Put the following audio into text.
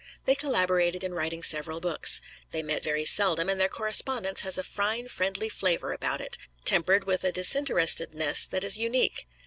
They collaborated in writing several books. They met very seldom, and their correspondence has a fine friendly flavor about it, tempered with a disinterestedness that is unique.